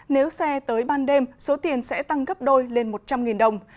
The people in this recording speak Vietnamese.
nếu xe tới ban đêm số tiền sẽ tăng gấp đôi lên một trăm linh đồng